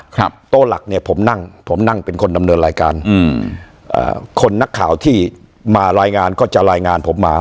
ครับโต๊ะหลักเนี้ยผมนั่งผมนั่งเป็นคนดำเนินรายการอืมอ่าคนนักข่าวที่มารายงานก็จะรายงานผมมา